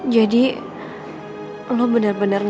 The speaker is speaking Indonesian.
gak ada bantuan